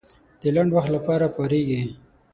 د لنډ وخت لپاره پارېږي.